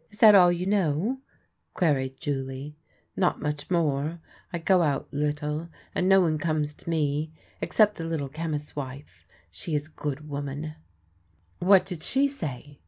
" Is that all you know? " queried Julie. " Not much more. I go out little, and no one comes to me except the Little Chemist's wife — she is a good woman." "What did she say?"